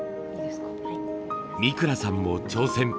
三倉さんも挑戦。